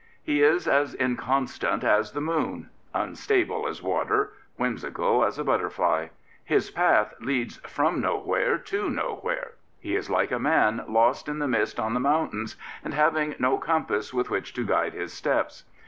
He is as inconstant as the nioon, unstable as water, whimsical as a butterfly. His path leads from nowhere to nowhere. He is like a man lost in the mist on the mountains and having no compass with which to guide his steps.